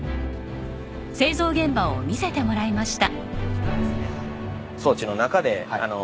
製造現場を見せてもらいました。